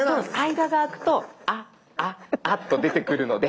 間が空くと「あああ」と出てくるので。